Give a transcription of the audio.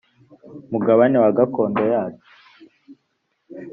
mugabane wa gakondo yacu